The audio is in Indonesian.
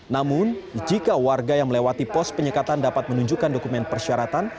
namun jika warga yang melewati pos penyekatan dapat menunjukkan dokumen persyaratan